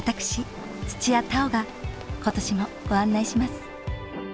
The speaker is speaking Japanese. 土屋太鳳が今年もご案内します。